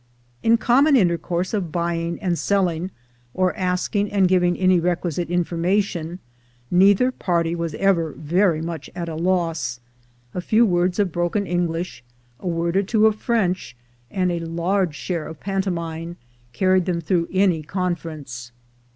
In comm.on intercourse of buying and selling, or asking and giving any requisite information, neither part}' was ever ver\' much at a loss; a few words of GROWING OVER NIGHT 233 broken English, a word or nvo of French, and a large share of pantomime, carried them through any con ference.